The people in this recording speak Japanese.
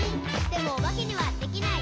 「でもおばけにはできない。」